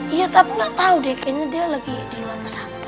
iya tapi gak tau deh kayaknya dia lagi di luar pesantren